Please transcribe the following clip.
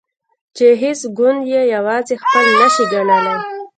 چې هیڅ ګوند یې یوازې خپل نشي ګڼلای.